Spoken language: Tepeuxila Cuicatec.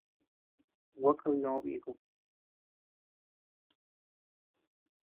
Gua kabiö bikum.